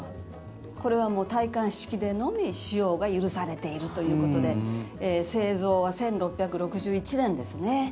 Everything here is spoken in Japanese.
これはもう戴冠式でのみ使用が許されているということで製造は１６６１年ですね。